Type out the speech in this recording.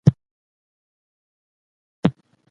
انسولین د بدن دفاعي سیستم سره تړاو لري.